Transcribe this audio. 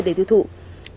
để thiết kế xe cán máy